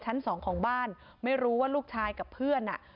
ชั้นสองของบ้านไม่รู้ว่าลูกชายกับเพื่อนอ่ะ